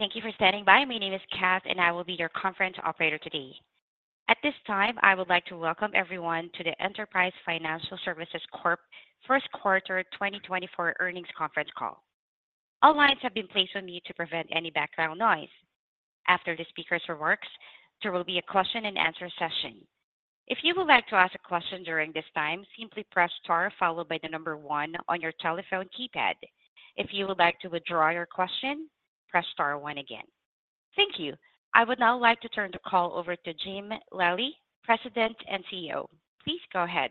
Thank you for standing by. My name is Kat, and I will be your conference operator today. At this time, I would like to welcome everyone to the Enterprise Financial Services Corp Q1 2024 Earnings Conference Call. All lines have been placed on mute to prevent any background noise. After the speaker's remarks, there will be a Q&A session. If you would like to ask a question during this time, simply press Star followed by the number one on your telephone keypad. If you would like to withdraw your question, press Star one again. Thank you. I would now like to turn the call over to Jim Lally, President and CEO. Please go ahead.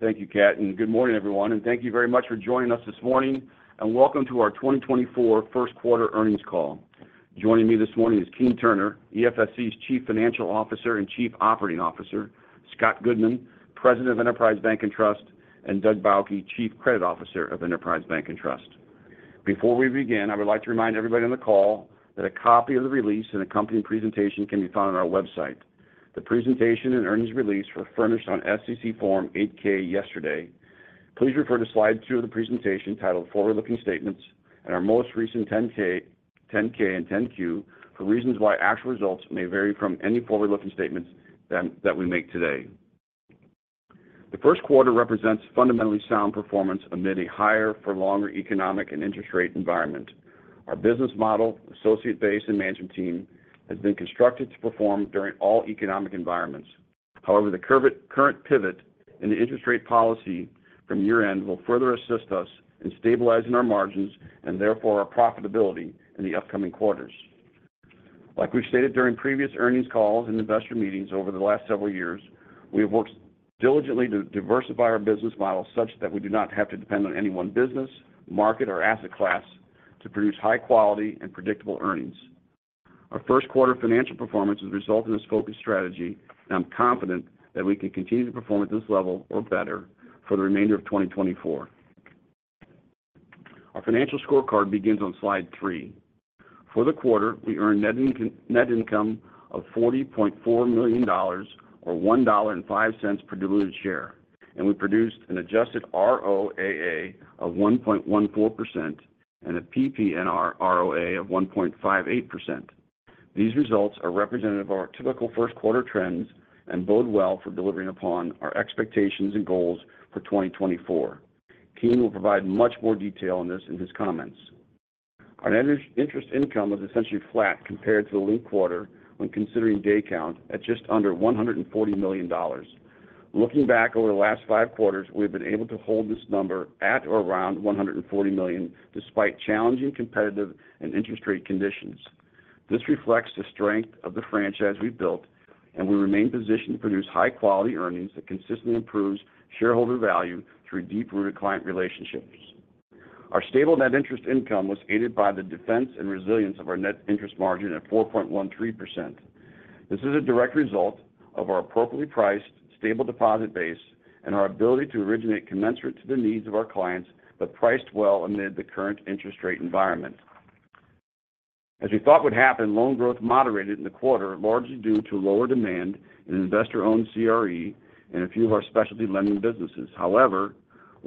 Thank you, Kat, and good morning, everyone, and thank you very much for joining us this morning, and welcome to our 2024 Q1 Earnings Call. Joining me this morning is Keene Turner, EFSC's Chief Financial Officer and Chief Operating Officer, Scott Goodman, President of Enterprise Bank & Trust, and Doug Bauche, Chief Credit Officer of Enterprise Bank & Trust. Before we begin, I would like to remind everybody on the call that a copy of the release and accompanying presentation can be found on our website. The presentation and earnings release were furnished on SEC Form 8-K yesterday. Please refer to slide 2 of the presentation titled Forward-Looking Statements and our most recent 10-K, 10-K and 10-Q for reasons why actual results may vary from any forward-looking statements that we make today. The Q1 represents fundamentally sound performance amid a higher for longer economic and interest rate environment. Our business model, associate base, and management team has been constructed to perform during all economic environments. However, the current pivot in the interest rate policy from year-end will further assist us in stabilizing our margins and therefore our profitability in the upcoming quarters. Like we've stated during previous earnings calls and investor meetings over the last several years, we have worked diligently to diversify our business model such that we do not have to depend on any one business, market, or asset class to produce high quality and predictable earnings. Our Q1 financial performance has resulted in this focused strategy, and I'm confident that we can continue to perform at this level or better for the remainder of 2024. Our financial scorecard begins on slide three. For the quarter, we earned net income of $40.4 million, or $1.05 per diluted share, and we produced an adjusted ROAA of 1.14% and a PPNR ROA of 1.58%. These results are representative of our typical Q1 trends and bode well for delivering upon our expectations and goals for 2024. Keene will provide much more detail on this in his comments. Our interest income was essentially flat compared to the linked quarter when considering day count at just under $140 million. Looking back over the last five quarters, we've been able to hold this number at or around $140 million, despite challenging competitive and interest rate conditions. This reflects the strength of the franchise we've built, and we remain positioned to produce high-quality earnings that consistently improves shareholder value through deep-rooted client relationships. Our stable net interest income was aided by the defense and resilience of our net interest margin at 4.13%. This is a direct result of our appropriately priced, stable deposit base and our ability to originate commensurate to the needs of our clients, but priced well amid the current interest rate environment. As we thought would happen, loan growth moderated in the quarter, largely due to lower demand in investor-owned CRE and a few of our specialty lending businesses. However,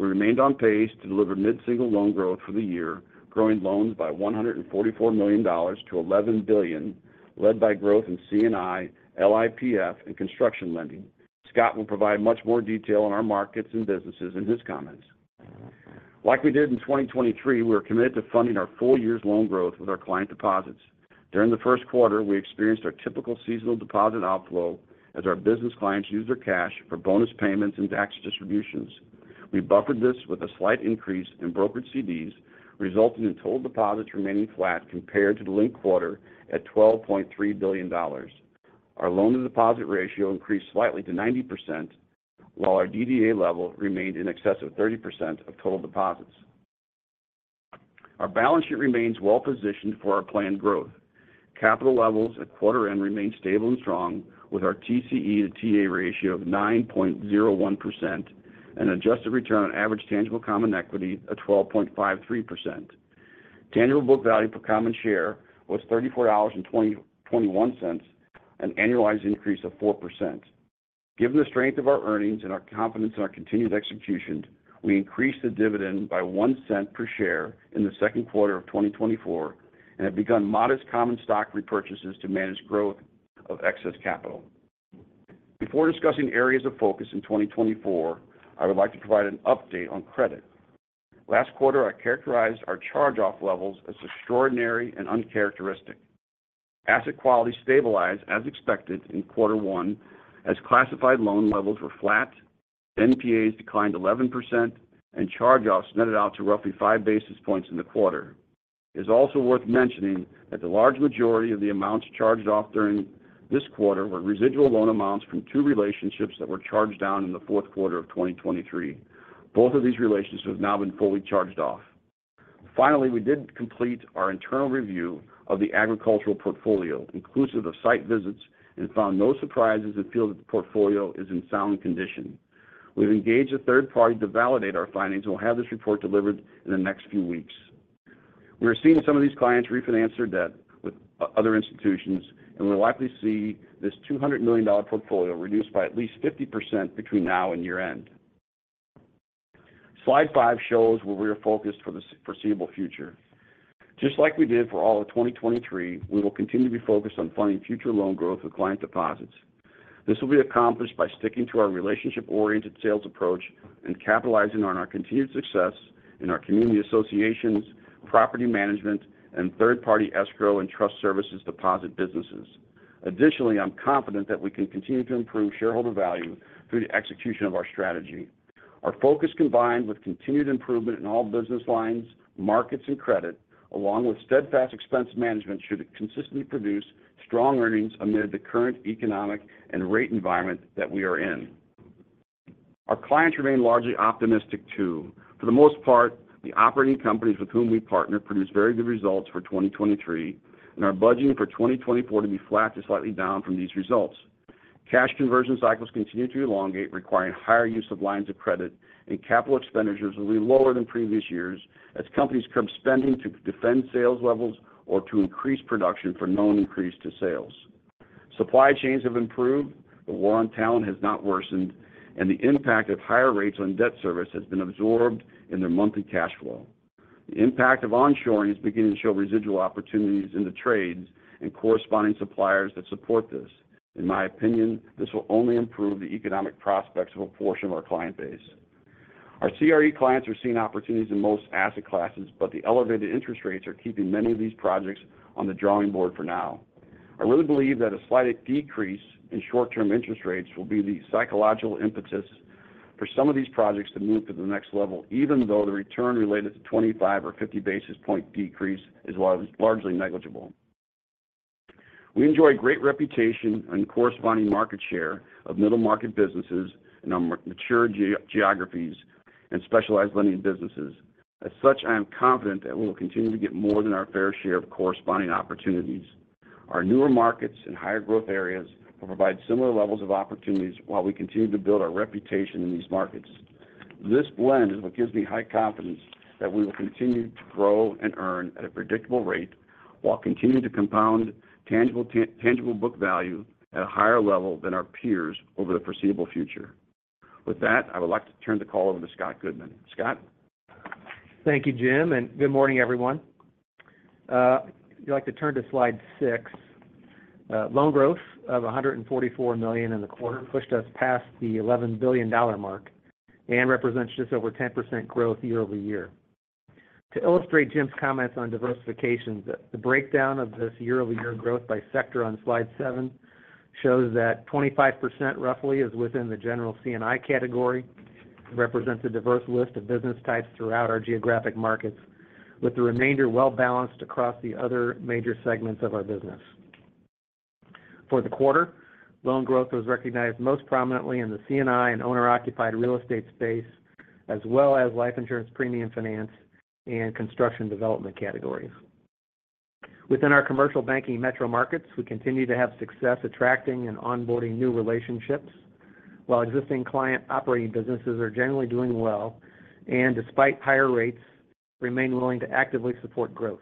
we remained on pace to deliver mid-single loan growth for the year, growing loans by $144 million to $11 billion, led by growth in C&I, LIPF and construction lending. Scott will provide much more detail on our markets and businesses in his comments. Like we did in 2023, we are committed to funding our full year's loan growth with our client deposits. During the Q1, we experienced our typical seasonal deposit outflow as our business clients used their cash for bonus payments and tax distributions. We buffered this with a slight increase in brokered CDs, resulting in total deposits remaining flat compared to the linked quarter at $12.3 billion. Our loan-to-deposit ratio increased slightly to 90%, while our DDA level remained in excess of 30% of total deposits. Our balance sheet remains well-positioned for our planned growth. Capital levels at quarter end remain stable and strong, with our TCE to TA ratio of 9.01% and adjusted return on average tangible common equity at 12.53%. Tangible book value per common share was $34.21, an annualized increase of 4%. Given the strength of our earnings and our confidence in our continued execution, we increased the dividend by $0.01 per share in the Q2 of 2024 and have begun modest common stock repurchases to manage growth of excess capital. Before discussing areas of focus in 2024, I would like to provide an update on credit. Last quarter, I characterized our charge-off levels as extraordinary and uncharacteristic. Asset quality stabilized as expected in quarter one, as classified loan levels were flat, NPAs declined 11%, and charge-offs netted out to roughly 5 basis points in the quarter. It's also worth mentioning that the large majority of the amounts charged off during this quarter were residual loan amounts from two relationships that were charged down in the Q4 of 2023. Both of these relationships have now been fully charged off. Finally, we did complete our internal review of the agricultural portfolio, inclusive of site visits, and found no surprises and feel that the portfolio is in sound condition. We've engaged a third party to validate our findings, and we'll have this report delivered in the next few weeks. We are seeing some of these clients refinance their debt with other institutions, and we'll likely see this $200 million portfolio reduced by at least 50% between now and year-end.... Slide 5 shows where we are focused for the foreseeable future. Just like we did for all of 2023, we will continue to be focused on funding future loan growth with client deposits. This will be accomplished by sticking to our relationship-oriented sales approach and capitalizing on our continued success in our community associations, property management, and third-party escrow and trust services deposit businesses. Additionally, I'm confident that we can continue to improve shareholder value through the execution of our strategy. Our focus, combined with continued improvement in all business lines, markets, and credit, along with steadfast expense management, should consistently produce strong earnings amid the current economic and rate environment that we are in. Our clients remain largely optimistic, too. For the most part, the operating companies with whom we partner produced very good results for 2023, and are budgeting for 2024 to be flat to slightly down from these results. Cash conversion cycles continue to elongate, requiring higher use of lines of credit, and capital expenditures will be lower than previous years as companies curb spending to defend sales levels or to increase production for known increase to sales. Supply chains have improved, the war on talent has not worsened, and the impact of higher rates on debt service has been absorbed in their monthly cash flow. The impact of onshoring is beginning to show residual opportunities in the trades and corresponding suppliers that support this. In my opinion, this will only improve the economic prospects of a portion of our client base. Our CRE clients are seeing opportunities in most asset classes, but the elevated interest rates are keeping many of these projects on the drawing board for now. I really believe that a slight decrease in short-term interest rates will be the psychological impetus for some of these projects to move to the next level, even though the return related to 25 or 50 basis point decrease is largely negligible. We enjoy a great reputation and corresponding market share of middle-market businesses in our mature geographies and specialized lending businesses. As such, I am confident that we will continue to get more than our fair share of corresponding opportunities. Our newer markets and higher growth areas will provide similar levels of opportunities while we continue to build our reputation in these markets. This blend is what gives me high confidence that we will continue to grow and earn at a predictable rate while continuing to compound tangible book value at a higher level than our peers over the foreseeable future. With that, I would like to turn the call over to Scott Goodman. Scott? Thank you, Jim, and good morning, everyone. If you'd like to turn to slide 6. Loan growth of $144 million in the quarter pushed us past the $11 billion mark and represents just over 10% growth year-over-year. To illustrate Jim's comments on diversifications, the breakdown of this year-over-year growth by sector on slide 7 shows that 25% roughly is within the general C&I category, represents a diverse list of business types throughout our geographic markets, with the remainder well-balanced across the other major segments of our business. For the quarter, loan growth was recognized most prominently in the C&I and owner-occupied real estate space, as well as life insurance premium finance and construction development categories. Within our commercial banking metro markets, we continue to have success attracting and onboarding new relationships, while existing client operating businesses are generally doing well and, despite higher rates, remain willing to actively support growth.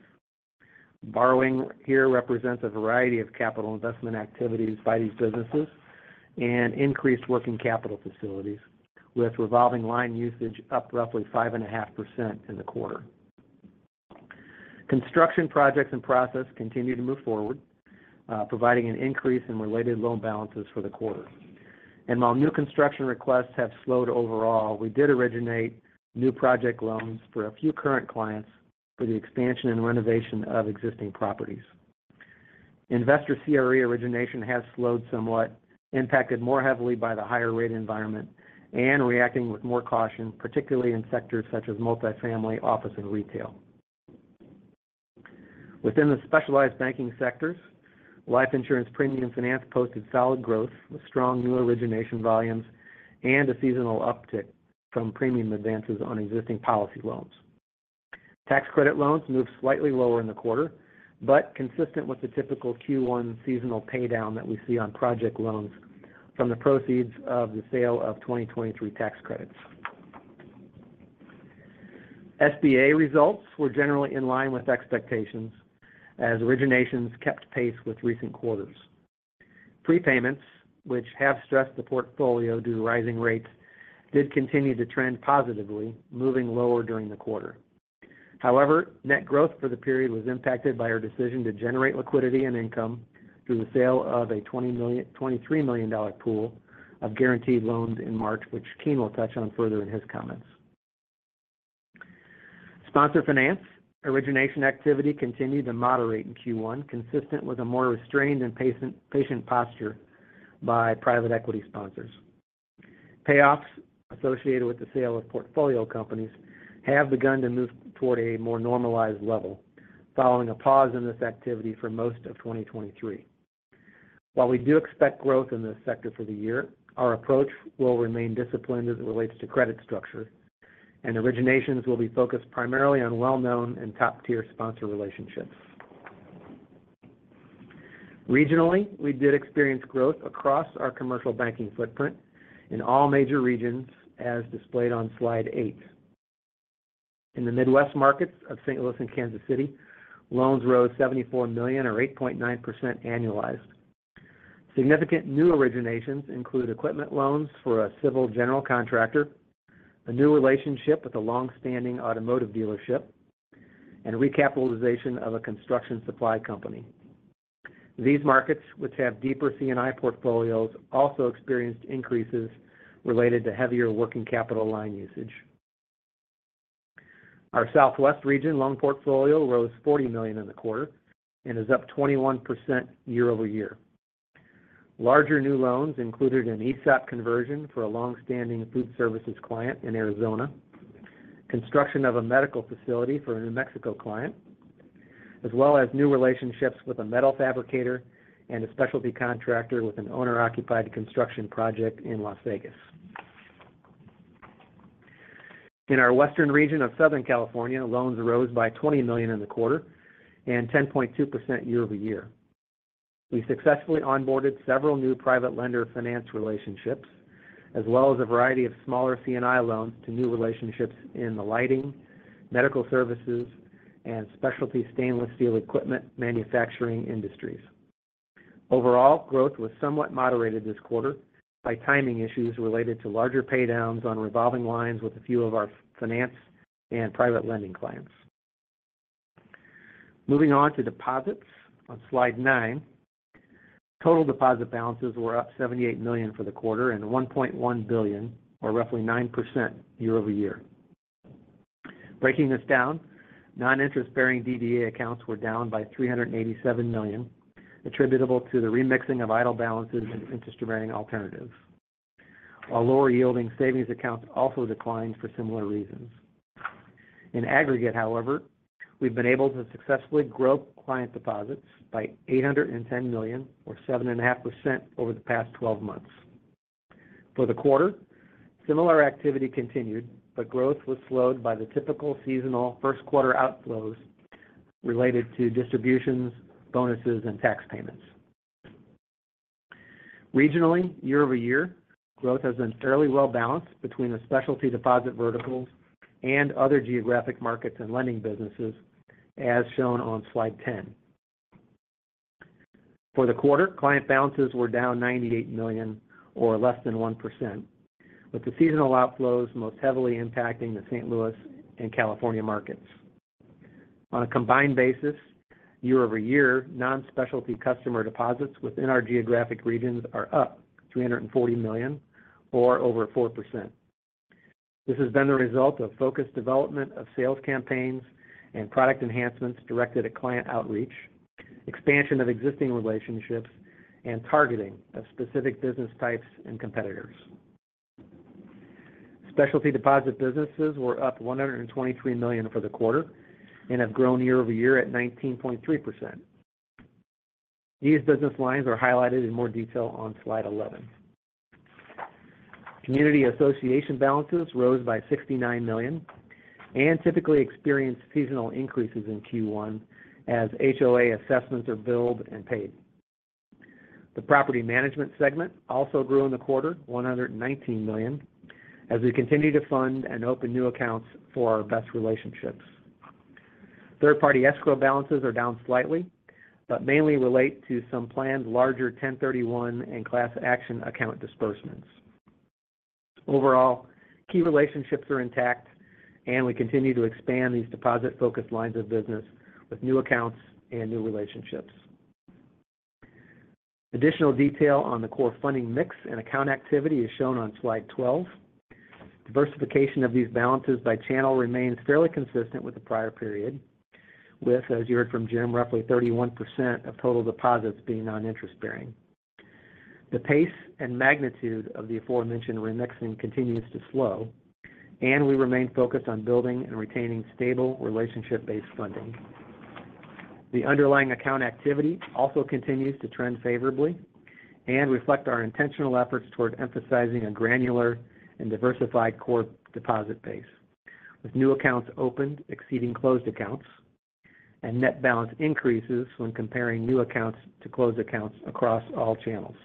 Borrowing here represents a variety of capital investment activities by these businesses and increased working capital facilities, with revolving line usage up roughly 5.5% in the quarter. Construction projects and process continue to move forward, providing an increase in related loan balances for the quarter. And while new construction requests have slowed overall, we did originate new project loans for a few current clients for the expansion and renovation of existing properties. Investor CRE origination has slowed somewhat, impacted more heavily by the higher rate environment and reacting with more caution, particularly in sectors such as multifamily, office, and retail. Within the specialized banking sectors, life insurance premium finance posted solid growth, with strong new origination volumes and a seasonal uptick from premium advances on existing policy loans. Tax credit loans moved slightly lower in the quarter, but consistent with the typical Q1 seasonal paydown that we see on project loans from the proceeds of the sale of 2023 tax credits. SBA results were generally in line with expectations as originations kept pace with recent quarters. Prepayments, which have stressed the portfolio due to rising rates, did continue to trend positively, moving lower during the quarter. However, net growth for the period was impacted by our decision to generate liquidity and income through the sale of a $23 million pool of guaranteed loans in March, which Keene will touch on further in his comments. Sponsor finance origination activity continued to moderate in Q1, consistent with a more restrained and patient, patient posture by private equity sponsors. Payoffs associated with the sale of portfolio companies have begun to move toward a more normalized level, following a pause in this activity for most of 2023. While we do expect growth in this sector for the year, our approach will remain disciplined as it relates to credit structure, and originations will be focused primarily on well-known and top-tier sponsor relationships. Regionally, we did experience growth across our commercial banking footprint in all major regions, as displayed on slide 8. In the Midwest markets of St. Louis and Kansas City, loans rose $74 million, or 8.9% annualized. Significant new originations include equipment loans for a civil general contractor, a new relationship with a long-standing automotive dealership, and recapitalization of a construction supply company. These markets, which have deeper C&I portfolios, also experienced increases related to heavier working capital line usage. Our Southwest region loan portfolio rose $40 million in the quarter and is up 21% year-over-year. Larger new loans included an ESOP conversion for a long-standing food services client in Arizona, construction of a medical facility for a New Mexico client, as well as new relationships with a metal fabricator and a specialty contractor with an owner-occupied construction project in Las Vegas. In our Western region of Southern California, loans rose by $20 million in the quarter and 10.2% year-over-year. We successfully onboarded several new private lender finance relationships, as well as a variety of smaller C&I loans to new relationships in the lighting, medical services, and specialty stainless steel equipment manufacturing industries. Overall, growth was somewhat moderated this quarter by timing issues related to larger paydowns on revolving lines with a few of our finance and private lending clients. Moving on to deposits. On Slide 9, total deposit balances were up $78 million for the quarter and $1.1 billion, or roughly 9% year-over-year. Breaking this down, non-interest-bearing DDA accounts were down by $387 million, attributable to the remixing of idle balances and interest-bearing alternatives. Our lower-yielding savings accounts also declined for similar reasons. In aggregate, however, we've been able to successfully grow client deposits by $810 million, or 7.5%, over the past 12 months. For the quarter, similar activity continued, but growth was slowed by the typical seasonal Q1 outflows related to distributions, bonuses, and tax payments. Regionally, year-over-year, growth has been fairly well balanced between the specialty deposit verticals and other geographic markets and lending businesses, as shown on Slide 10. For the quarter, client balances were down $98 million or less than 1%, with the seasonal outflows most heavily impacting the St. Louis and California markets. On a combined basis, year-over-year, non-specialty customer deposits within our geographic regions are up $340 million or over 4%. This has been the result of focused development of sales campaigns and product enhancements directed at client outreach, expansion of existing relationships, and targeting of specific business types and competitors. Specialty deposit businesses were up $123 million for the quarter and have grown year-over-year at 19.3%. These business lines are highlighted in more detail on Slide 11. Community association balances rose by $69 million and typically experienced seasonal increases in Q1 as HOA assessments are billed and paid. The property management segment also grew in the quarter, $119 million, as we continue to fund and open new accounts for our best relationships. Third-party escrow balances are down slightly, but mainly relate to some planned larger 1031 and class action account disbursements. Overall, key relationships are intact, and we continue to expand these deposit-focused lines of business with new accounts and new relationships. Additional detail on the core funding mix and account activity is shown on Slide 12. Diversification of these balances by channel remains fairly consistent with the prior period, with, as you heard from Jim, roughly 31% of total deposits being non-interest bearing. The pace and magnitude of the aforementioned remixing continues to slow, and we remain focused on building and retaining stable, relationship-based funding. The underlying account activity also continues to trend favorably and reflect our intentional efforts toward emphasizing a granular and diversified core deposit base, with new accounts opened exceeding closed accounts and net balance increases when comparing new accounts to closed accounts across all channels.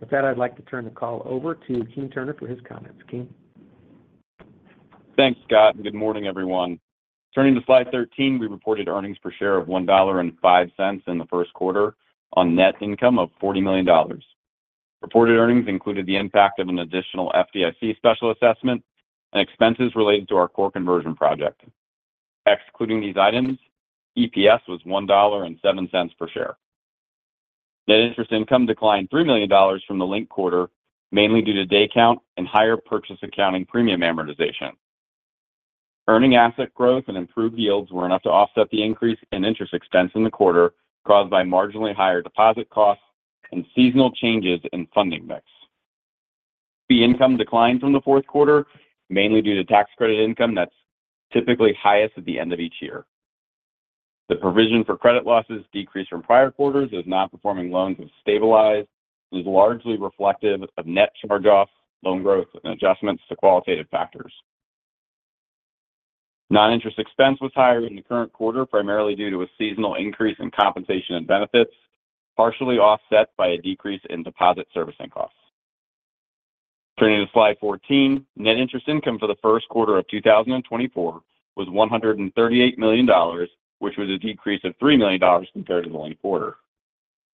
With that, I'd like to turn the call over to Keene Turner for his comments. Keene? Thanks, Scott, and good morning, everyone. Turning to Slide 13, we reported earnings per share of $1.05 in the Q1 on net income of $40 million. Reported earnings included the impact of an additional FDIC special assessment and expenses related to our core conversion project. Excluding these items, EPS was $1.07 per share. Net interest income declined $3 million from the linked quarter, mainly due to day count and higher purchase accounting premium amortization. Earning asset growth and improved yields were enough to offset the increase in interest expense in the quarter, caused by marginally higher deposit costs and seasonal changes in funding mix. The income declined from the Q4, mainly due to tax credit income that's typically highest at the end of each year. The provision for credit losses decreased from prior quarters as non-performing loans have stabilized, was largely reflective of net charge-offs, loan growth, and adjustments to qualitative factors. Non-interest expense was higher in the current quarter, primarily due to a seasonal increase in compensation and benefits, partially offset by a decrease in deposit servicing costs. Turning to slide 14, net interest income for the Q1 of 2024 was $138 million, which was a decrease of $3 million compared to the linked quarter.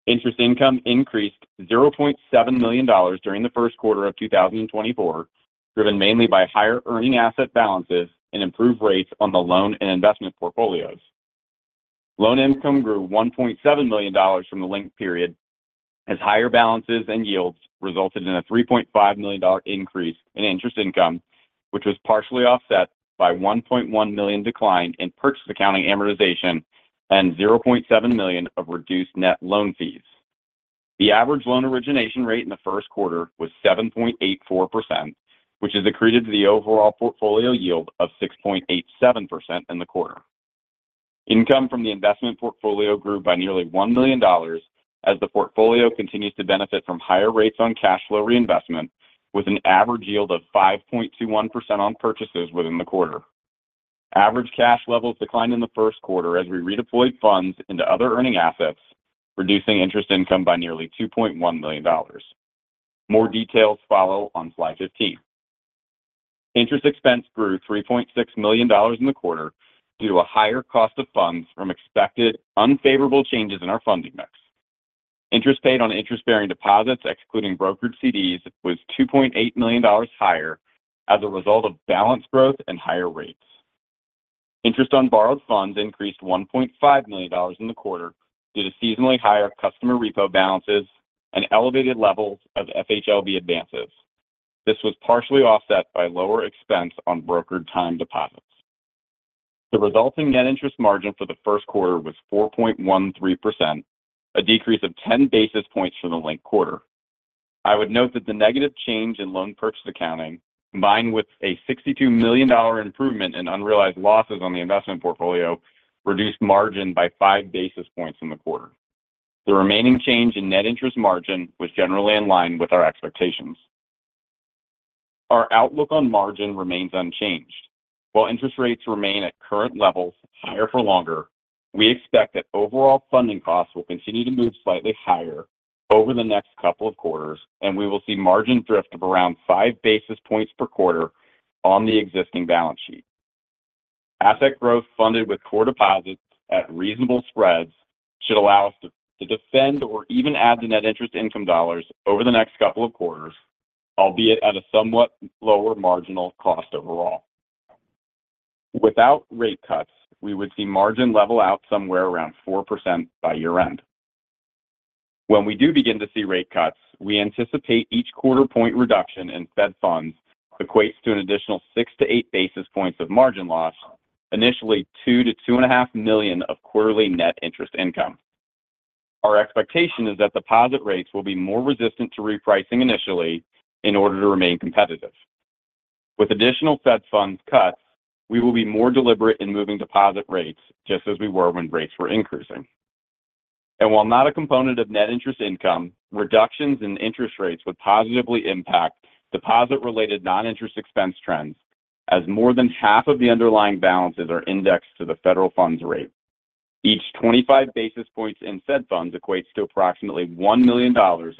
Interest income increased $0.7 million during the Q1 of 2024, driven mainly by higher earning asset balances and improved rates on the loan and investment portfolios. Loan income grew $1.7 million from the linked period, as higher balances and yields resulted in a $3.5 million increase in interest income, which was partially offset by $1.1 million decline in purchase accounting amortization and $0.7 million of reduced net loan fees. The average loan origination rate in the Q1 was 7.84%, which is accreted to the overall portfolio yield of 6.87% in the quarter. Income from the investment portfolio grew by nearly $1 million as the portfolio continues to benefit from higher rates on cash flow reinvestment, with an average yield of 5.21% on purchases within the quarter. Average cash levels declined in the Q1 as we redeployed funds into other earning assets, reducing interest income by nearly $2.1 million. More details follow on slide 15. Interest expense grew $3.6 million in the quarter due to a higher cost of funds from expected unfavorable changes in our funding mix. Interest paid on interest-bearing deposits, excluding brokered CDs, was $2.8 million higher as a result of balance growth and higher rates. Interest on borrowed funds increased $1.5 million in the quarter due to seasonally higher customer repo balances and elevated levels of FHLB advances. This was partially offset by lower expense on brokered time deposits. The resulting net interest margin for the Q1 was 4.13%, a decrease of 10 basis points from the linked quarter. I would note that the negative change in loan purchase accounting, combined with a $62 million improvement in unrealized losses on the investment portfolio, reduced margin by 5 basis points in the quarter. The remaining change in net interest margin was generally in line with our expectations. Our outlook on margin remains unchanged. While interest rates remain at current levels higher for longer, we expect that overall funding costs will continue to move slightly higher over the next couple of quarters, and we will see margin drift of around 5 basis points per quarter on the existing balance sheet. Asset growth funded with core deposits at reasonable spreads should allow us to defend or even add to net interest income dollars over the next couple of quarters, albeit at a somewhat lower marginal cost overall. Without rate cuts, we would see margin level out somewhere around 4% by year-end. When we do begin to see rate cuts, we anticipate each quarter-point reduction in Fed funds equates to an additional 6-8 basis points of margin loss, initially, $2-$2.5 million of quarterly net interest income. Our expectation is that deposit rates will be more resistant to repricing initially in order to remain competitive. With additional Fed funds cuts, we will be more deliberate in moving deposit rates, just as we were when rates were increasing. While not a component of net interest income, reductions in interest rates would positively impact deposit-related non-interest expense trends, as more than half of the underlying balances are indexed to the federal funds rate. Each 25 basis points in Fed funds equates to approximately $1 million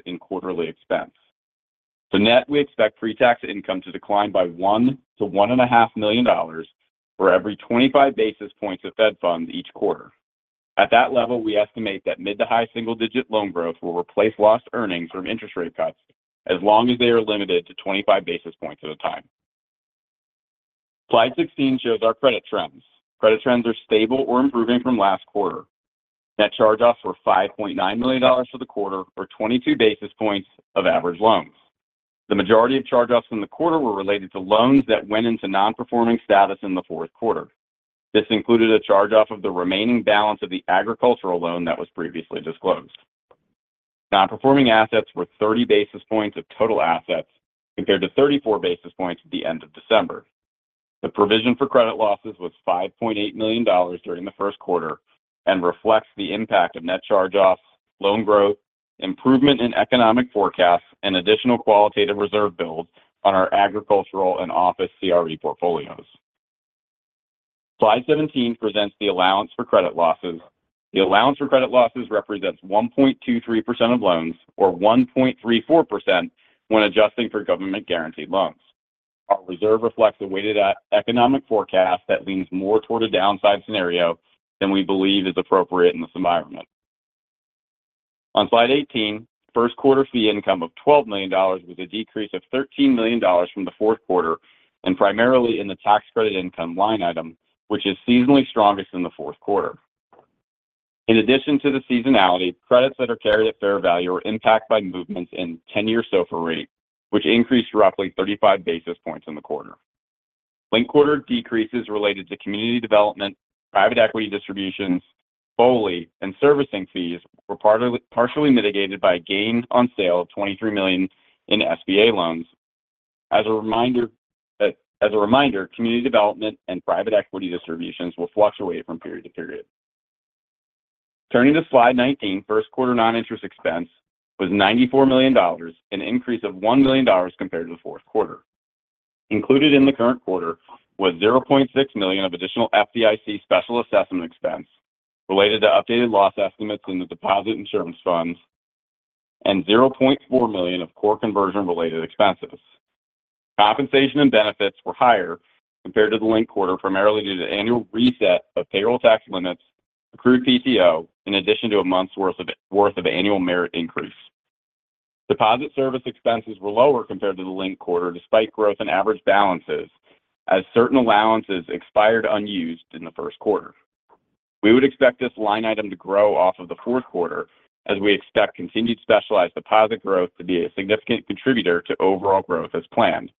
in quarterly expense. So net, we expect pre-tax income to decline by $1 million-$1.5 million for every 25 basis points of Fed Funds each quarter. At that level, we estimate that mid- to high single-digit loan growth will replace lost earnings from interest rate cuts as long as they are limited to 25 basis points at a time. Slide 16 shows our credit trends. Credit trends are stable or improving from last quarter. Net charge-offs were $5.9 million for the quarter, or 22 basis points of average loans. The majority of charge-offs in the quarter were related to loans that went into non-performing status in the Q4. This included a charge-off of the remaining balance of the agricultural loan that was previously disclosed. Non-performing assets were 30 basis points of total assets, compared to 34 basis points at the end of December. The provision for credit losses was $5.8 million during the Q1 and reflects the impact of net charge-offs, loan growth, improvement in economic forecasts, and additional qualitative reserve builds on our agricultural and office CRE portfolios. Slide 17 presents the allowance for credit losses. The allowance for credit losses represents 1.23% of loans, or 1.34% when adjusting for government-guaranteed loans. Our reserve reflects a weighted economic forecast that leans more toward a downside scenario than we believe is appropriate in this environment. On Slide 18, Q1 fee income of $12 million, with a decrease of $13 million from the Q4, and primarily in the tax credit income line item, which is seasonally strongest in the Q4. In addition to the seasonality, credits that are carried at fair value were impacted by movements in ten-year SOFR rate, which increased roughly 35 basis points in the quarter. Linked quarter decreases related to community development, private equity distributions, BOLI, and servicing fees were partially mitigated by a gain on sale of $23 million in SBA loans. As a reminder, community development and private equity distributions will flush away from period to period.... Turning to slide 19, Q1 non-interest expense was $94 million, an increase of $1 million compared to the Q4. Included in the current quarter was $0.6 million of additional FDIC special assessment expense related to updated loss estimates in the deposit insurance funds, and $0.4 million of core conversion-related expenses. Compensation and benefits were higher compared to the linked quarter, primarily due to the annual reset of payroll tax limits, accrued PTO, in addition to a month's worth of annual merit increase. Deposit service expenses were lower compared to the linked quarter, despite growth in average balances, as certain allowances expired unused in the Q1. We would expect this line item to grow off of the Q4, as we expect continued specialized deposit growth to be a significant contributor to overall growth as planned.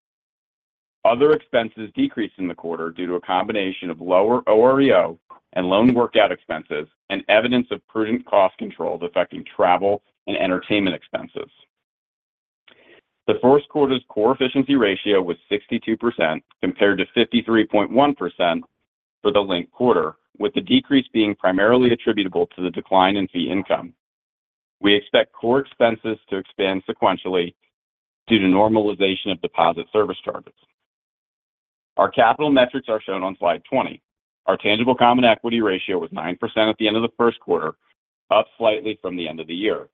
Other expenses decreased in the quarter due to a combination of lower OREO and loan workout expenses and evidence of prudent cost controls affecting travel and entertainment expenses. The Q1's core efficiency ratio was 62%, compared to 53.1% for the linked quarter, with the decrease being primarily attributable to the decline in fee income. We expect core expenses to expand sequentially due to normalization of deposit service charges. Our capital metrics are shown on slide 20. Our tangible common equity ratio was 9% at the end of the Q1, up slightly from the end of the year.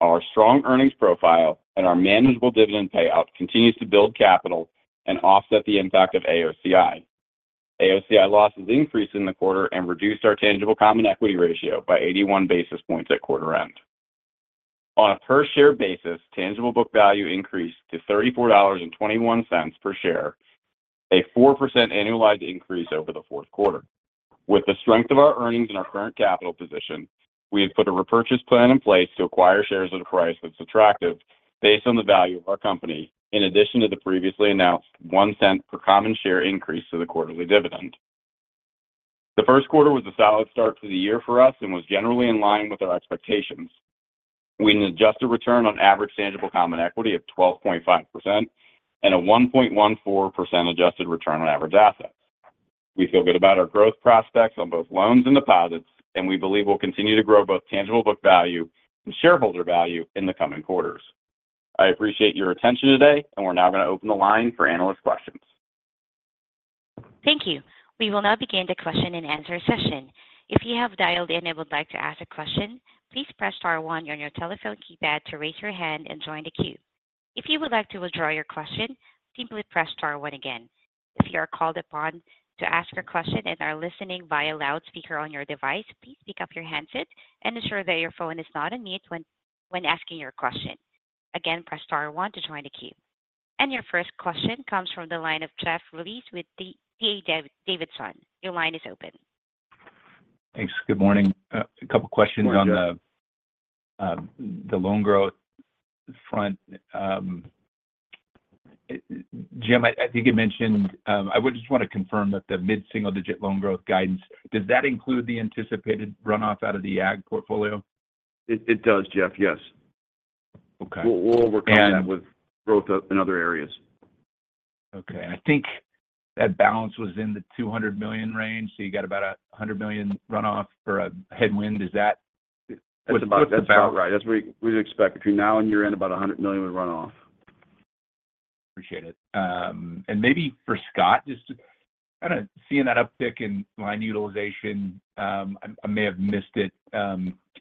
Our strong earnings profile and our manageable dividend payout continues to build capital and offset the impact of AOCI. AOCI losses increased in the quarter and reduced our tangible common equity ratio by 81 basis points at quarter end. On a per share basis, tangible book value increased to $34.21 per share, a 4% annualized increase over the Q4. With the strength of our earnings and our current capital position, we have put a repurchase plan in place to acquire shares at a price that's attractive based on the value of our company, in addition to the previously announced $0.01 per common share increase to the quarterly dividend. The Q1 was a solid start to the year for us and was generally in line with our expectations. We had an adjusted return on average tangible common equity of 12.5% and a 1.14% adjusted return on average assets. We feel good about our growth prospects on both loans and deposits, and we believe we'll continue to grow both tangible book value and shareholder value in the coming quarters. I appreciate your attention today, and we're now going to open the line for analyst questions. Thank you. We will now begin the Q&A session. If you have dialed in and would like to ask a question, please press star one on your telephone keypad to raise your hand and join the queue. If you would like to withdraw your question, simply press star one again. If you are called upon to ask a question and are listening via loudspeaker on your device, please pick up your handset and ensure that your phone is not on mute when asking your question. Again, press star one to join the queue. Your first question comes from the line of Jeff Rulis with D.A. Davidson. Your line is open. Thanks. Good morning. A couple questions- Good morning, Jeff. On the loan growth front. Jim, I think you mentioned I would just want to confirm that the mid-single-digit loan growth guidance, does that include the anticipated runoff out of the ag portfolio? It does, Jeff. Yes. Okay. We'll overcome that with growth up in other areas. Okay. I think that balance was in the $200 million range, so you got about a $100 million runoff or a headwind. Is that- That's about, that's about right. That's what we, we'd expect between now and year-end, about $100 million would run off. Appreciate it. And maybe for Scott, just kind of seeing that uptick in line utilization, I may have missed it.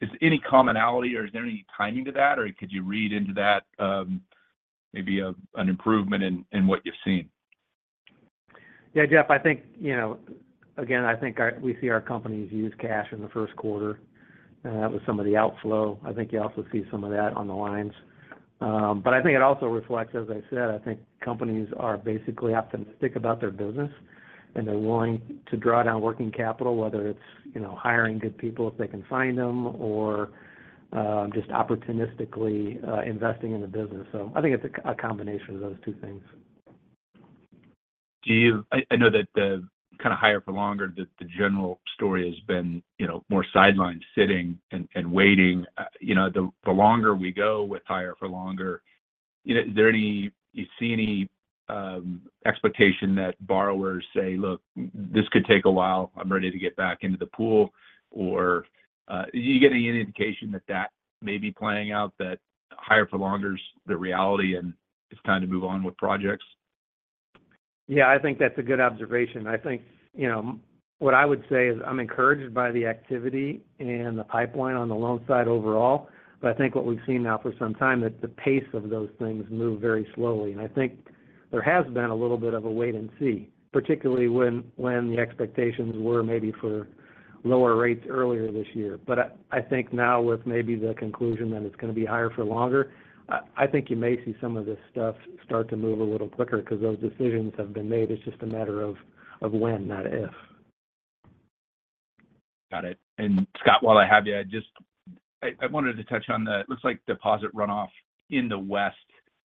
Is any commonality or is there any timing to that, or could you read into that, maybe an improvement in what you've seen? Yeah, Jeff, I think, you know, again, I think we see our companies use cash in the Q1, and that was some of the outflow. I think you also see some of that on the lines. But I think it also reflects, as I said, I think companies are basically optimistic about their business, and they're willing to draw down working capital, whether it's, you know, hiring good people if they can find them, or, just opportunistically, investing in the business. So I think it's a combination of those two things. I know that the kind of higher for longer, the general story has been, you know, more sidelined, sitting and waiting. You know, the longer we go with higher for longer, you know, you see any expectation that borrowers say, "Look, this could take a while. I'm ready to get back into the pool?" Or, do you get any indication that that may be playing out, that higher for longer is the reality, and it's time to move on with projects? Yeah, I think that's a good observation. I think, you know, what I would say is I'm encouraged by the activity and the pipeline on the loan side overall, but I think what we've seen now for some time is the pace of those things move very slowly. And I think there has been a little bit of a wait and see, particularly when, when the expectations were maybe for lower rates earlier this year. But I, I think now with maybe the conclusion that it's going to be higher for longer, I, I think you may see some of this stuff start to move a little quicker because those decisions have been made. It's just a matter of, of when, not if. Got it. Scott, while I have you, I just wanted to touch on the... It looks like deposit runoff in the West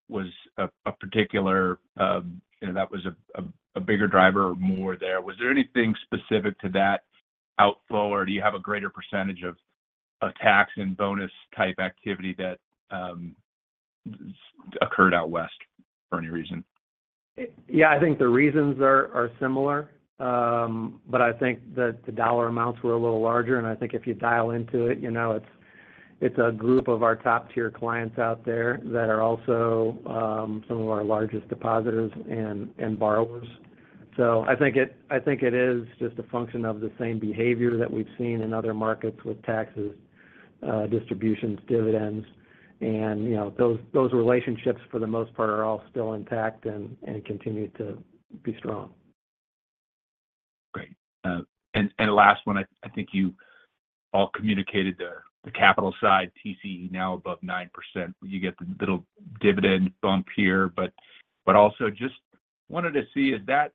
was a particular, you know, that was a bigger driver or more there. Was there anything specific to that outflow, or do you have a greater percentage of a tax and bonus type activity that occurred out west for any reason?... Yeah, I think the reasons are similar. But I think that the dollar amounts were a little larger, and I think if you dial into it, you know, it's a group of our top-tier clients out there that are also some of our largest depositors and borrowers. So I think it is just a function of the same behavior that we've seen in other markets with taxes, distributions, dividends. And, you know, those relationships, for the most part, are all still intact and continue to be strong. Great. And the last one, I think you all communicated the capital side TCE now above 9%, you get the little dividend bump here. But also just wanted to see if that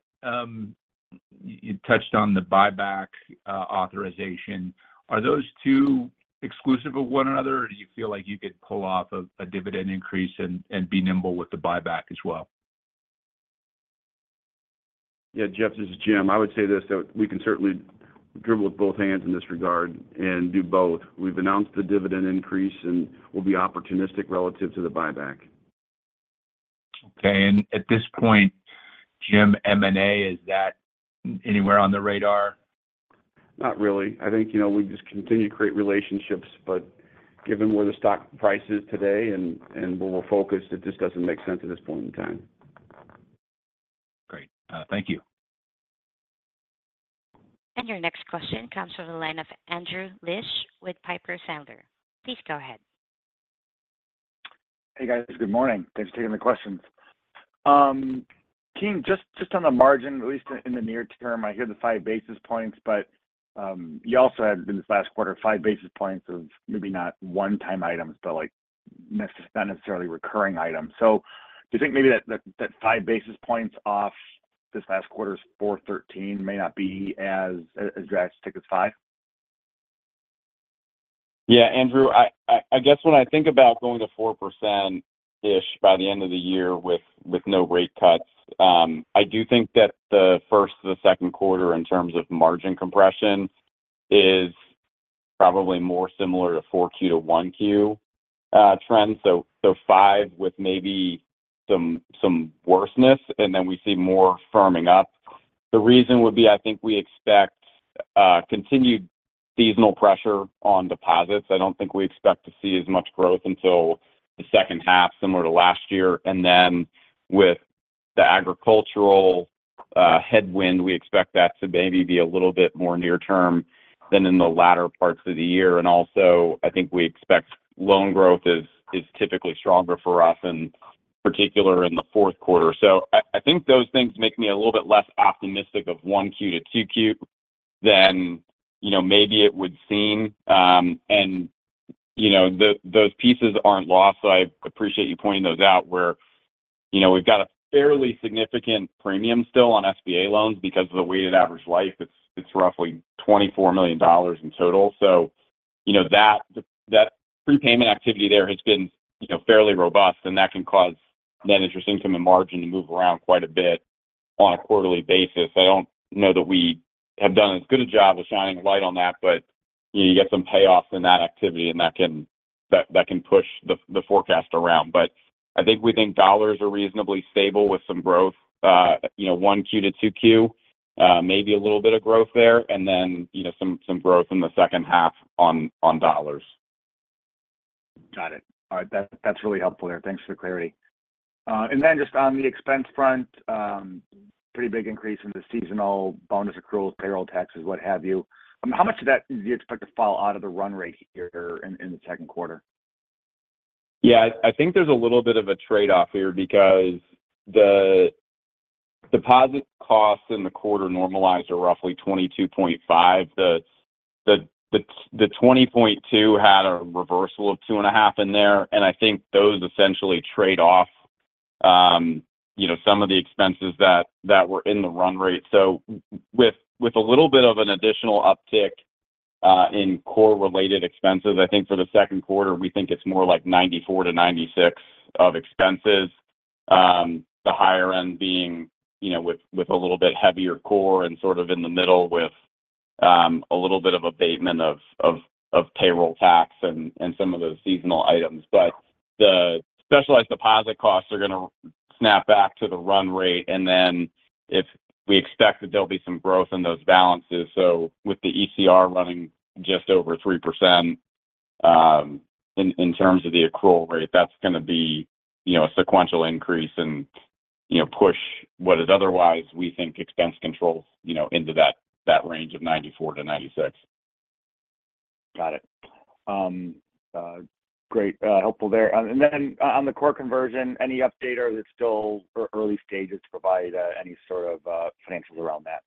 you touched on the buyback authorization. Are those two exclusive of one another, or do you feel like you could pull off a dividend increase and be nimble with the buyback as well? Yeah, Jeff, this is Jim. I would say this, that we can certainly dribble with both hands in this regard and do both. We've announced the dividend increase, and we'll be opportunistic relative to the buyback. Okay. At this point, Jim, M&A, is that anywhere on the radar? Not really. I think, you know, we just continue to create relationships, but given where the stock price is today and where we're focused, it just doesn't make sense at this point in time. Great. Thank you. Your next question comes from the line of Andrew Liesch with Piper Sandler. Please go ahead. Hey, guys. Good morning. Thanks for taking the questions. Team, just, just on the margin, at least in the near term, I hear the 5 basis points, but you also had in this last quarter, 5 basis points of maybe not one-time items, but like, not necessarily recurring items. So do you think maybe that, that, that 5 basis points off this last quarter's 4.13 may not be as, as drastic as 5? Yeah, Andrew, I guess when I think about going to 4%-ish by the end of the year with no rate cuts, I do think that the first to the Q2, in terms of margin compression, is probably more similar to 4Q to 1Q trend. So five with maybe some worse-ness, and then we see more firming up. The reason would be, I think we expect continued seasonal pressure on deposits. I don't think we expect to see as much growth until the second half, similar to last year. And then with the agricultural headwind, we expect that to maybe be a little bit more near term than in the latter parts of the year. And also, I think we expect loan growth is typically stronger for us, in particular in the Q4. So I think those things make me a little bit less optimistic of 1Q to 2Q than, you know, maybe it would seem. And, you know, those pieces aren't lost, so I appreciate you pointing those out where, you know, we've got a fairly significant premium still on SBA loans because of the weighted average life. It's roughly $24 million in total. So, you know, that prepayment activity there has been, you know, fairly robust, and that can cause net interest income and margin to move around quite a bit on a quarterly basis. I don't know that we have done as good a job of shining a light on that, but you get some payoffs in that activity, and that can push the forecast around. But I think we think dollars are reasonably stable with some growth, you know, 1Q to 2Q, maybe a little bit of growth there, and then, you know, some growth in the second half on dollars. Got it. All right. That, that's really helpful there. Thanks for the clarity. And then just on the expense front, pretty big increase in the seasonal bonus accruals, payroll taxes, what have you. How much of that do you expect to fall out of the run rate here in the Q2? Yeah, I think there's a little bit of a trade-off here because the deposit costs in the quarter normalized are roughly 22.5. The 20.2 had a reversal of 2.5 in there, and I think those essentially trade off, you know, some of the expenses that were in the run rate. So with a little bit of an additional uptick in core related expenses, I think for the Q2, we think it's more like 94-96 of expenses. The higher end being, you know, with a little bit heavier core and sort of in the middle with a little bit of abatement of payroll tax and some of those seasonal items. But the specialized deposit costs are gonna snap back to the run rate, and then if we expect that there'll be some growth in those balances. So with the ECR running just over 3%, in terms of the accrual rate, that's gonna be, you know, a sequential increase and, you know, push what is otherwise, we think, expense controls, you know, into that, that range of 94-96. Got it. Great, helpful there. And then on the core conversion, any update, or is it still early stages to provide any sort of financials around that?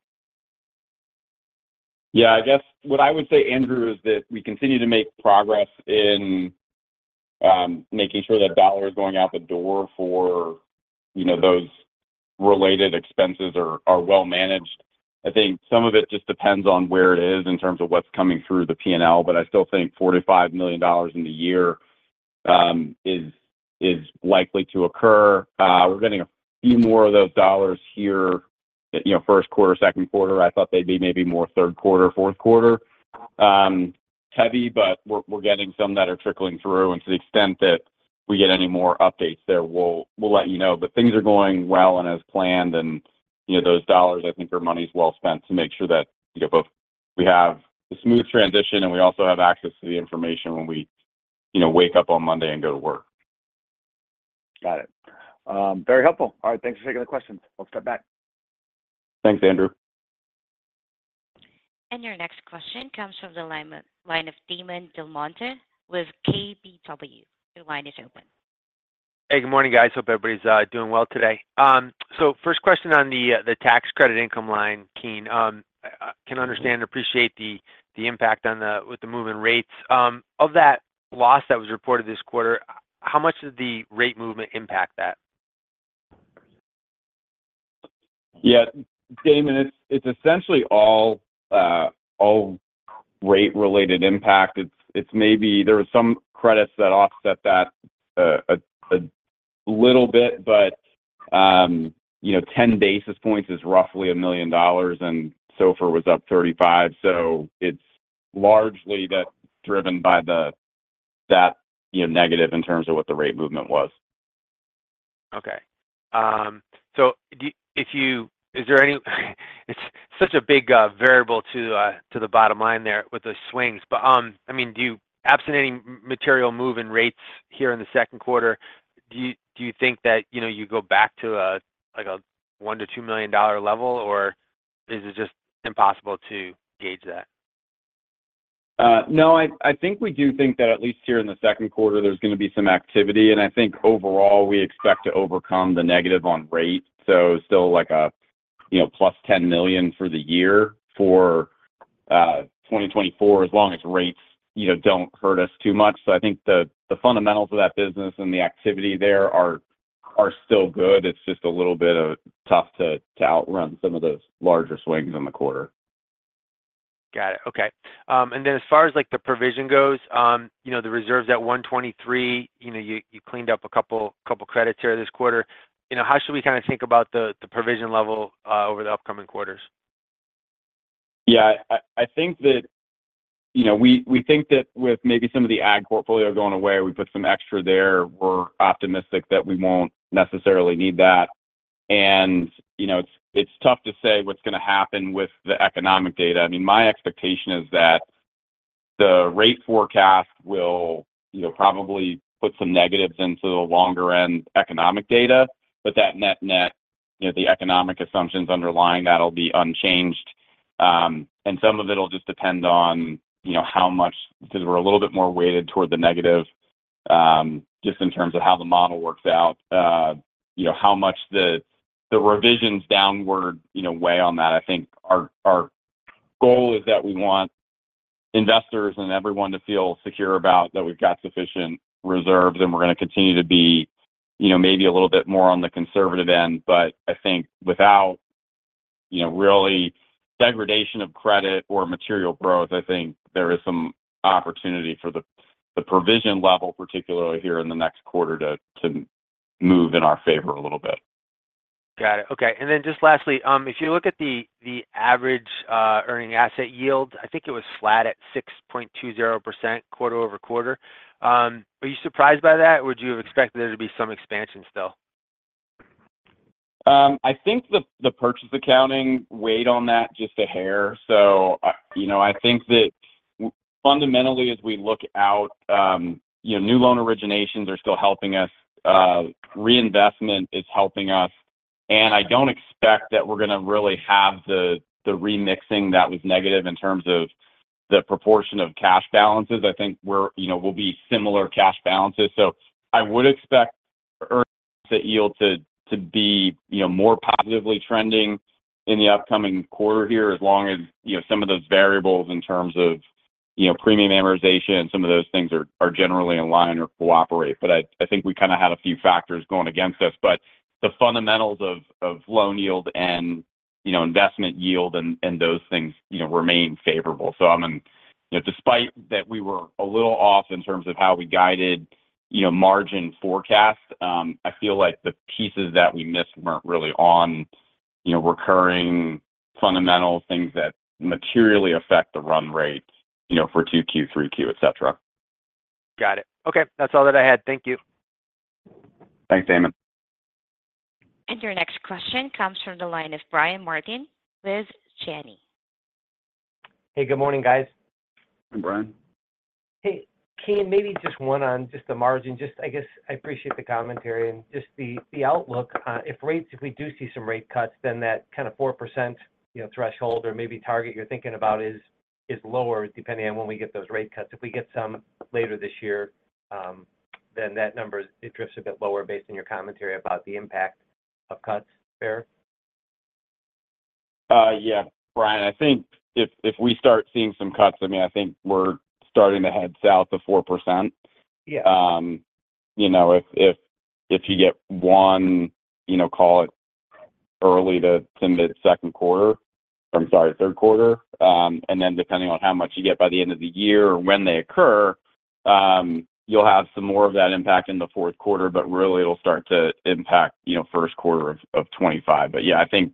Yeah, I guess what I would say, Andrew, is that we continue to make progress in making sure that dollar is going out the door for, you know, those related expenses are well managed. I think some of it just depends on where it is in terms of what's coming through the P&L, but I still think $45 million in the year is likely to occur. We're getting a few more of those dollars here, you know, Q1, Q2. I thought they'd be maybe more Q3, Q4 heavy, but we're getting some that are trickling through. To the extent that we get any more updates there, we'll let you know. Things are going well and as planned, and, you know, those dollars, I think, are monies well spent to make sure that, you know, both we have a smooth transition, and we also have access to the information when we, you know, wake up on Monday and go to work. Got it. Very helpful. All right, thanks for taking the questions. We'll step back. Thanks, Andrew. Your next question comes from the line of Damon DelMonte with KBW. Your line is open. Hey, good morning, guys. Hope everybody's doing well today. So first question on the tax credit income line, Keene. I can understand and appreciate the impact on the- with the moving rates. Of that loss that was reported this quarter, how much did the rate movement impact that? Yeah, Damon, it's essentially all rate-related impact. It's maybe there are some credits that offset that a little bit, but you know, 10 basis points is roughly $1 million, and SOFR was up 35, so it's largely that driven by that, you know, negative in terms of what the rate movement was. Okay. So it's such a big variable to the bottom line there with the swings. But, I mean, do you, absent any material move in rates here in the Q2, do you think that, you know, you go back to a, like, a $1 million-$2 million level, or is it just impossible to gauge that? No, I think we do think that at least here in the Q2, there's gonna be some activity, and I think overall, we expect to overcome the negative on rates. So still like a, you know, +$10 million for the year for 2024, as long as rates, you know, don't hurt us too much. So I think the fundamentals of that business and the activity there are still good. It's just a little bit tough to outrun some of those larger swings in the quarter. Got it. Okay. And then as far as, like, the provision goes, you know, the reserves at 123, you know, you, you cleaned up a couple, couple credits here this quarter. You know, how should we kind of think about the, the provision level, over the upcoming quarters? Yeah, I think that—you know, we think that with maybe some of the ad portfolio going away, we put some extra there. We're optimistic that we won't necessarily need that, and, you know, it's tough to say what's gonna happen with the economic data. I mean, my expectation is that the rate forecast will, you know, probably put some negatives into the longer-end economic data, but that net net, you know, the economic assumptions underlying that'll be unchanged. And some of it'll just depend on, you know, how much... because we're a little bit more weighted toward the negative, just in terms of how the model works out. You know, how much the revisions downward, you know, weigh on that. I think our goal is that we want investors and everyone to feel secure about that we've got sufficient reserves, and we're gonna continue to be, you know, maybe a little bit more on the conservative end. But I think without, you know, really degradation of credit or material growth, I think there is some opportunity for the provision level, particularly here in the next quarter, to move in our favor a little bit. Got it. Okay. And then just lastly, if you look at the average earning asset yield, I think it was flat at 6.20% quarter-over-quarter. Are you surprised by that, or would you have expected there to be some expansion still? I think the purchase accounting weighed on that just a hair. So, you know, I think that fundamentally, as we look out, you know, new loan originations are still helping us. Reinvestment is helping us, and I don't expect that we're gonna really have the remixing that was negative in terms of the proportion of cash balances. I think you know, we'll be similar cash balances. So I would expect the yield to be, you know, more positively trending in the upcoming quarter here, as long as, you know, some of those variables in terms of, you know, premium amortization, and some of those things are generally in line or cooperate. But I think we kind of had a few factors going against us, but the fundamentals of loan yield and, you know, investment yield and those things, you know, remain favorable. So, I mean, you know, despite that, we were a little off in terms of how we guided, you know, margin forecast. I feel like the pieces that we missed weren't really on, you know, recurring fundamental things that materially affect the run rate, you know, for 2Q, 3Q, et cetera. Got it. Okay. That's all that I had. Thank you. Thanks, Damon. Your next question comes from the line of Brian Martin with Janney. Hey, good morning, guys. Hi, Brian. Hey, Keene, maybe just one on just the margin. Just I guess I appreciate the commentary and just the outlook. If rates—if we do see some rate cuts, then that kind of 4%, you know, threshold or maybe target you're thinking about is, is lower, depending on when we get those rate cuts. If we get some later this year, then that number, it drifts a bit lower based on your commentary about the impact of cuts there. Yeah, Brian, I think if we start seeing some cuts, I mean, I think we're starting to head south of 4%. Yeah. You know, if you get one, you know, call it early to send it Q2... I'm sorry, Q3. And then depending on how much you get by the end of the year or when they occur, you'll have some more of that impact in the Q4, but really it'll start to impact, you know, Q1 of 2025. But yeah, I think,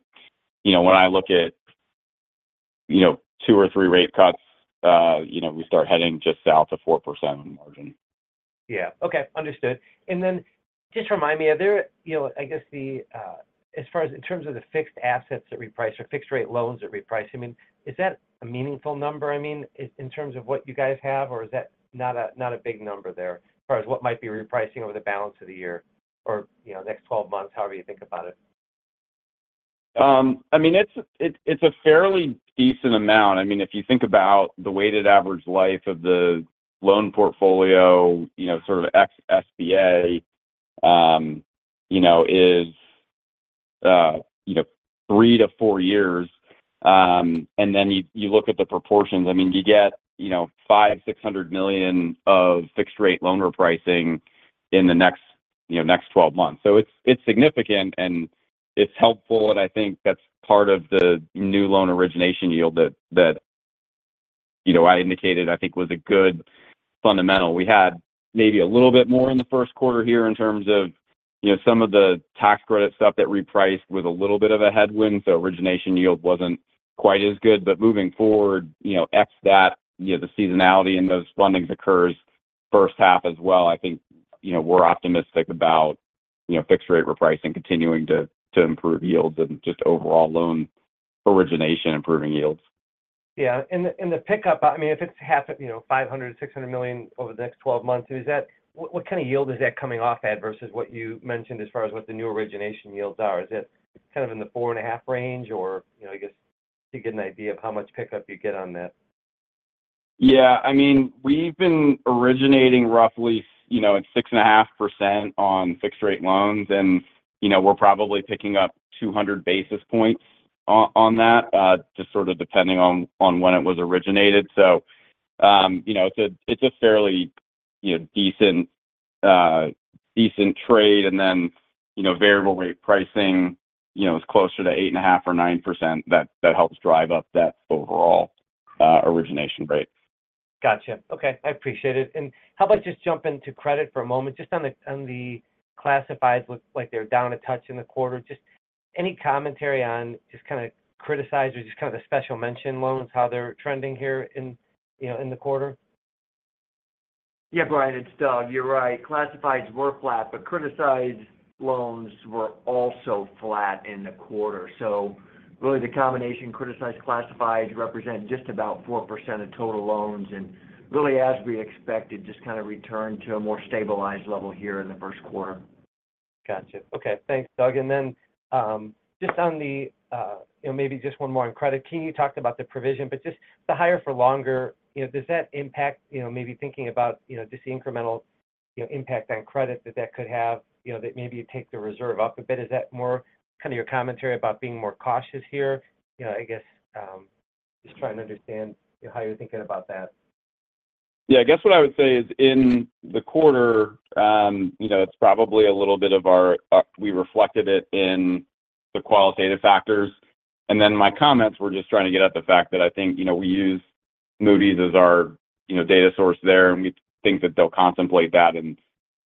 you know, when I look at, you know, 2 or 3 rate cuts, you know, we start heading just south of 4% on the margin. Yeah. Okay, understood. And then just remind me, are there—you know, I guess the, as far as in terms of the fixed assets that reprice or fixed-rate loans that reprice, I mean, is that a meaningful number, I mean, in terms of what you guys have? Or is that not a, not a big number there, as far as what might be repricing over the balance of the year or, you know, next 12 months, however you think about it? I mean, it's a fairly decent amount. I mean, if you think about the weighted average life of the loan portfolio, you know, sort of ex SBA, you know, is 3-4 years. And then you look at the proportions. I mean, you get, you know, $500-$600 million of fixed-rate loan repricing in the next, you know, next 12 months. So it's significant, and it's helpful, and I think that's part of the new loan origination yield that, you know, I indicated, I think was a good fundamental. We had maybe a little bit more in the Q1 here in terms of, you know, some of the tax credit stuff that repriced with a little bit of a headwind, so origination yield wasn't quite as good. Moving forward, you know, except that, you know, the seasonality in those fundings occurs first half as well. I think, you know, we're optimistic about, you know, fixed-rate repricing continuing to improve yields and just overall loan origination improving yields. Yeah. The pickup, I mean, if it's half, you know, $500 million-$600 million over the next 12 months, is that what kind of yield is that coming off at versus what you mentioned as far as what the new origination yields are? Is that kind of in the 4.5% range, or, you know, I guess to get an idea of how much pickup you get on that? Yeah, I mean, we've been originating roughly, you know, at 6.5% on fixed-rate loans, and, you know, we're probably picking up 200 basis points on that, just sort of depending on when it was originated. So, you know, it's a fairly decent trade, and then, you know, variable rate pricing is closer to 8.5% or 9%. That helps drive up that overall origination rate. Gotcha. Okay, I appreciate it. And how about just jump into credit for a moment, just on the, on the classifieds. Look like they're down a touch in the quarter. Just any commentary on just kind of criticized or just kind of the special mention loans, how they're trending here in, you know, in the quarter? Yeah, Brian, it's Doug. You're right. Classifieds were flat, but criticized loans were also flat in the quarter. So really, the combination, criticized, classified, represent just about 4% of total loans, and really, as we expected, just kind of returned to a more stabilized level here in the Q1. Gotcha. Okay. Thanks, Doug. And then, just on the, you know, maybe just one more on credit. Keene, you talked about the provision, but just the higher for longer, you know, does that impact... you know, maybe thinking about, you know, just the incremental, you know, impact on credit that that could have, you know, that maybe you take the reserve up a bit. Is that more kind of your commentary about being more cautious here? You know, I guess, just trying to understand, you know, how you're thinking about that. Yeah, I guess what I would say is in the quarter, you know, it's probably a little bit, we reflected it in the qualitative factors, and then my comments were just trying to get at the fact that I think, you know, we use Moody's as our, you know, data source there, and we think that they'll contemplate that in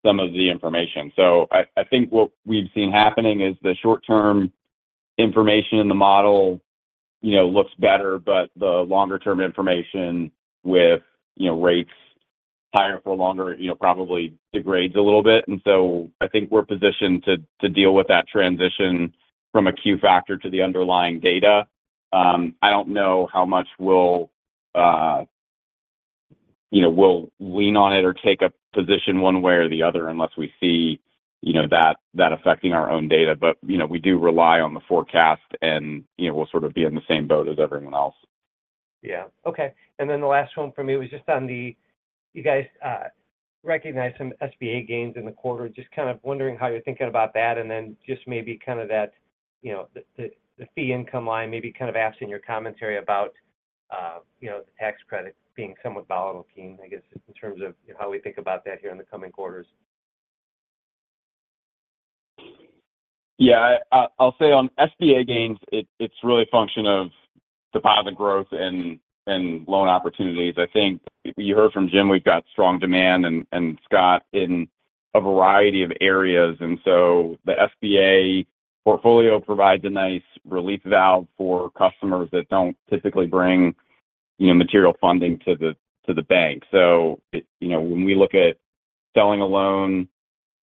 some of the information. So I think what we've seen happening is the short-term information in the model, you know, looks better, but the longer-term information with, you know, rates higher for longer, you know, probably degrades a little bit. And so I think we're positioned to deal with that transition from a Q factor to the underlying data. I don't know how much we'll, you know, we'll lean on it or take a position one way or the other unless we see, you know, that, that affecting our own data. But, you know, we do rely on the forecast, and, you know, we'll sort of be in the same boat as everyone else. Yeah. Okay. And then the last one for me was just on the, you guys recognized some SBA gains in the quarter. Just kind of wondering how you're thinking about that, and then just maybe kind of that, you know, the fee income line, maybe kind of asking your commentary about, you know, the tax credit being somewhat volatile, Keene, I guess, in terms of how we think about that here in the coming quarters. Yeah. I'll say on SBA gains, it's really a function of deposit growth and loan opportunities. I think you heard from Jim, we've got strong demand, and Scott in a variety of areas. And so the SBA portfolio provides a nice relief valve for customers that don't typically bring, you know, material funding to the bank. So, you know, when we look at selling a loan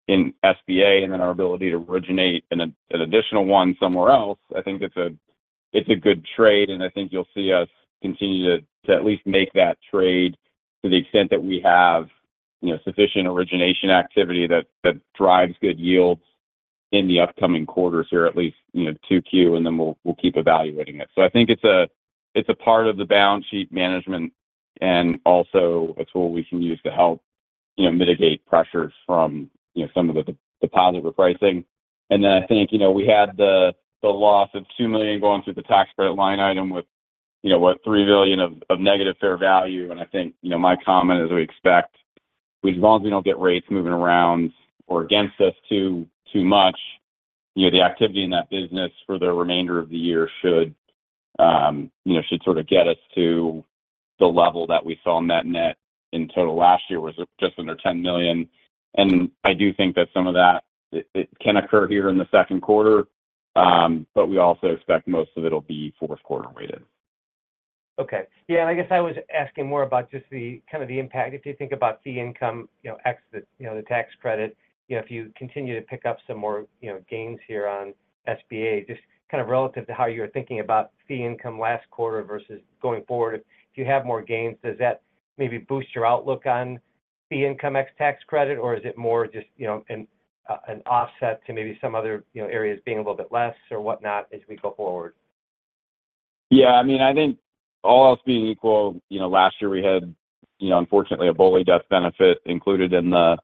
in SBA and then our ability to originate an additional one somewhere else, I think it's a good trade, and I think you'll see us continue to at least make that trade to the extent that we have, you know, sufficient origination activity that drives good yields in the upcoming quarters, or at least, you know, 2Q, and then we'll keep evaluating it. So I think it's a part of the balance sheet management and also a tool we can use to help, you know, mitigate pressures from, you know, some of the deposit repricing. And then I think, you know, we had the loss of $2 million going through the tax credit line item with, you know, what, $3 billion of negative fair value. And I think, you know, my comment is, we expect, as long as we don't get rates moving around or against us too much, you know, the activity in that business for the remainder of the year should, you know, should sort of get us to the level that we saw in that net in total last year was just under $10 million. I do think that some of that, it can occur here in the Q2, but we also expect most of it'll be Q4 weighted. Okay. Yeah, I guess I was asking more about just the, kind of the impact. If you think about fee income, you know, ex the, you know, the tax credit, you know, if you continue to pick up some more, you know, gains here on SBA, just kind of relative to how you were thinking about fee income last quarter versus going forward, if you have more gains, does that maybe boost your outlook on fee income ex tax credit, or is it more just, you know, an offset to maybe some other, you know, areas being a little bit less or whatnot as we go forward? Yeah, I mean, I think all else being equal, you know, last year we had, you know, unfortunately, a BOLI death benefit included in the,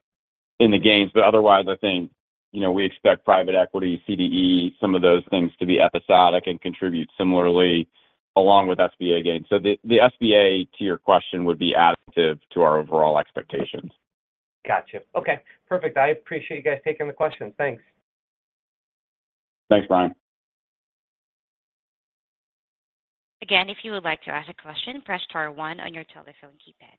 in the gains. But otherwise, I think, you know, we expect private equity, CDE, some of those things to be episodic and contribute similarly, along with SBA gains. So the, the SBA, to your question, would be additive to our overall expectations. Gotcha. Okay, perfect. I appreciate you guys taking the questions. Thanks. Thanks, Brian. Again, if you would like to ask a question, press star one on your telephone keypad.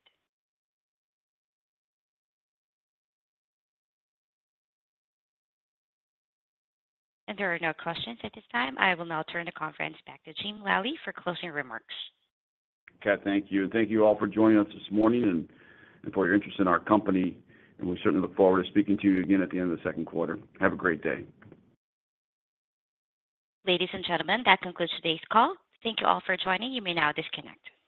There are no questions at this time. I will now turn the conference back to Jim Lally for closing remarks. Kat, thank you. Thank you all for joining us this morning and for your interest in our company, and we certainly look forward to speaking to you again at the end of the Q2. Have a great day. Ladies and gentlemen, that concludes today's call. Thank you all for joining. You may now disconnect.